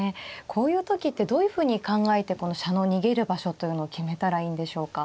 こういう時ってどういうふうに考えてこの飛車の逃げる場所というのを決めたらいいんでしょうか。